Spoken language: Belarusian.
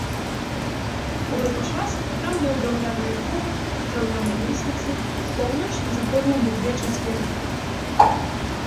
У гэты час храм меў драўляныя хоры з драўлянай лесвіцай у паўночна-заходнім вугле чацверыка.